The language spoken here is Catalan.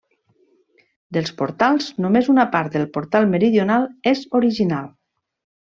Dels portals, només una part del portal meridional és original.